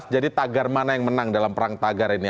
jadi tagar mana yang menang dalam perang tagar ini